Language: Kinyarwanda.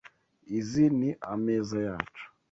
Izi ni ameza yacu.